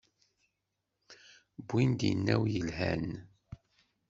Win d inaw yelhan.